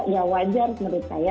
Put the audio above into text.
ya wajar menurut saya